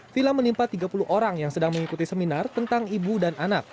vila menimpa tiga puluh orang yang sedang mengikuti seminar tentang ibu dan anak